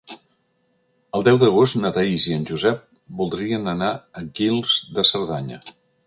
El deu d'agost na Thaís i en Josep voldrien anar a Guils de Cerdanya.